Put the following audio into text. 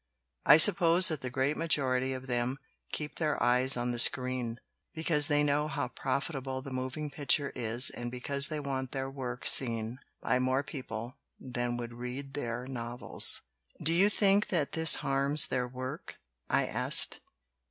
I suppose that the great majority of them keep their eyes on the screen, because they know how profitable the moving picture is and because they want their work seen by more people than would read their novels." "Do you think that this harms their work?" I asked.